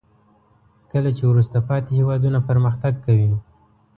کله چې وروسته پاتې هیوادونه پرمختګ کوي.